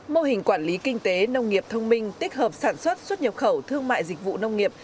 mô hình quản lý kinh tế nông nghiệp thông minh tích hợp sản xuất xuất nhập khẩu thương mại dịch vụ nông nghiệp